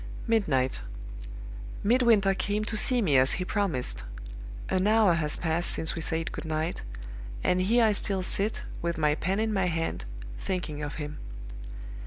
"Midnight. Midwinter came to see me as he promised. An hour has passed since we said good night; and here I still sit, with my pen in my hand, thinking of him.